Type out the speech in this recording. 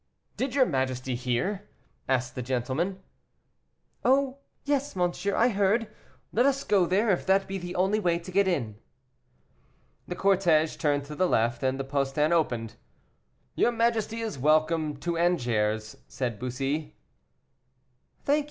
"Did your majesty hear?" asked the gentleman. "Oh! yes, monsieur, I heard; let us go there, if that be the only way to get in." The cortege turned to the left, and the postern opened. "Your majesty is welcome to Angers," said Bussy. "Thank you, M.